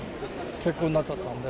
欠航になっちゃったので。